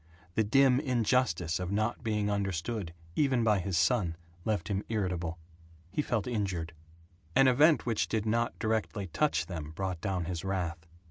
The dim injustice of not being understood even by his son left him irritable. He felt injured. An event which did not directly touch them brought down his wrath.